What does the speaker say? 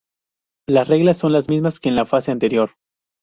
Las reglas son las mismas que en la fase anterior.